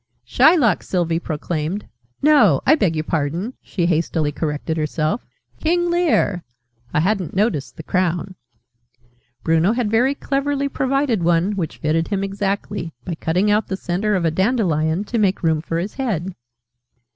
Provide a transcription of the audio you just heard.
"Shylock!" Sylvie proclaimed. "No, I beg your pardon!" she hastily corrected herself, "King Lear! I hadn't noticed the crown." (Bruno had very cleverly provided one, which fitted him exactly, by cutting out the centre of a dandelion to make room for his head.)